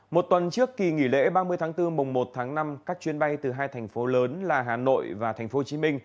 một tuần trước kỳ nghỉ lễ ba mươi tháng bốn mùng một tháng năm các chuyến bay từ hai thành phố lớn là hà nội và tp hcm